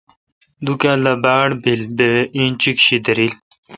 دو کال دا باڑ پیل بہ انچیک شی دریل۔